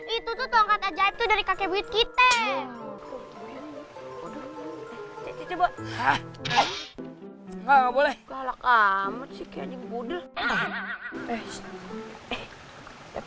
itu tuh tongkat ajaib dari kakek buit kita coba nggak boleh kalah kamut sih kayaknya